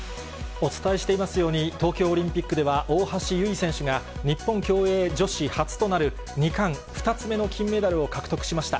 お伝えしていますように、東京オリンピックでは大橋悠依選手が、日本競泳女子初となる２冠、２つ目の金メダルを獲得しました。